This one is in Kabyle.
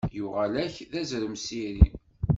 Yuɣal-ak, d azrem s iri.